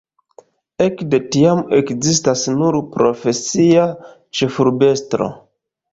Ekde tiam ekzistas nur profesia ĉefurbestro.